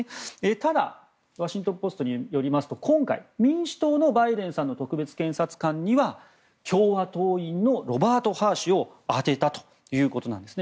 ただワシントン・ポストによりますと今回、民主党のバイデンさんの特別検察官には共和党員のロバート・ハー氏を充てたということなんですね。